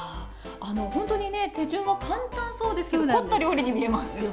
本当に手順は簡単そうですけど凝った料理に見えますね。